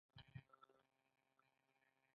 دا مبارزې په منځنۍ توګه درې کاله وخت نیسي.